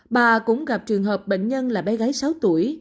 bà cũng gặp trường hợp bệnh nhân là bé gái sáu tuổi